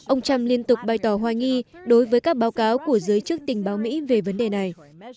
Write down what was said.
ông trump liên tục bày tỏ hoài nghi đối với các báo cáo của giới chức tình báo mỹ về vấn đề này